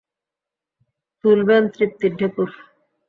তুলবেন তৃপ্তির ঢেকুর।